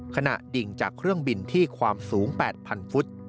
ขณะดิ่งจากเครื่องบินที่ความสูง๘๐๐ฟุต